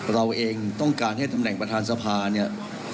เราเองต้องการให้ตำแหน่งประธานสภาเนี่ย